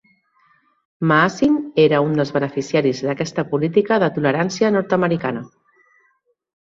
Maasin era un dels beneficiaris d'aquesta política de tolerància nord-americana.